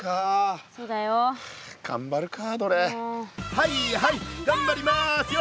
はいはいがんばりますよ！